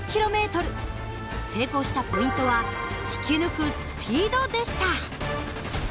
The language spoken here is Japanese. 成功したポイントは引き抜くスピードでした。